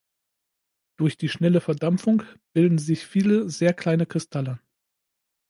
Durch die schnelle Verdampfung bilden sich viele sehr kleine Kristalle.